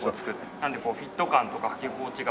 なのでフィット感とか履き心地が。